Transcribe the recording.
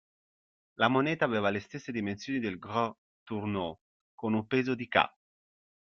La moneta aveva le stesse dimensioni del gros tournois, con un peso di ca.